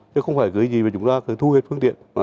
chứ không phải cái gì mà chúng ta sẽ thu hết phương tiện